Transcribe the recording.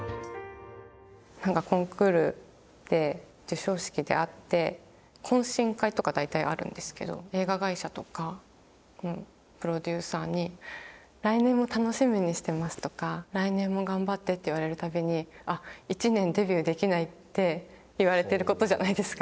何かコンクールで授賞式で会って懇親会とか大体あるんですけど映画会社とかプロデューサーに「来年も楽しみにしてます」とか「来年も頑張って」って言われる度にあっ１年デビューできないって言われてることじゃないですか。